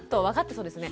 そうですね。